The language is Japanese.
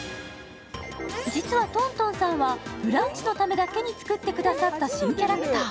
実はトントンさんは「ブランチ」のためだけに作ってくださった新キャラクター。